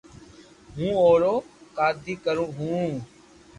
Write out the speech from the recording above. ھون اورو ڪآدو ڪرو ھون